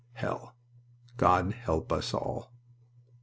"Hell!... God help us all!"